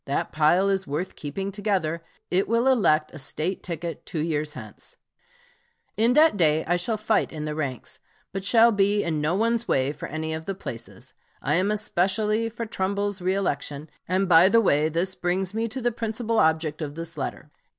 That pile is worth keeping together. It will elect a State ticket two years hence." Lincoln to Judd, Nov. 15, 1858. "In that day I shall fight in the ranks, but shall be in no one's way for any of the places. I am especially for Trumbull's reëlection; and, by the way, this brings me to the principal object of this letter.